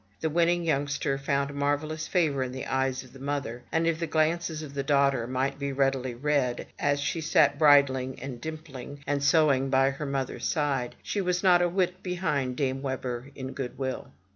The winning youngster found marvellous favor in the eyes of the mother, and if the glances of the daughter might be rightly read, as she sat bridling and dimp ling, and sewing by her mother's side, she was not a whit behind Dame Webber in good will.